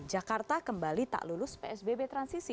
jakarta kembali tak lulus psbb transisi